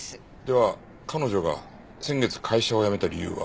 では彼女が先月会社を辞めた理由は？